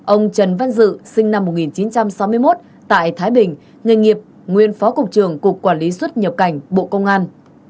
ông trần văn dự sinh năm một nghìn chín trăm sáu mươi một tại thái bình nghề nghiệp nguyên phó cục trưởng cục quản lý xuất nhập cảnh bộ công an